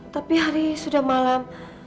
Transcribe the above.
tapi hari sudah malam